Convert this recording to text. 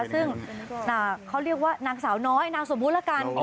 ซึ่งเขาเรียกว่านางสาวน้อยนามสมมุติละกัน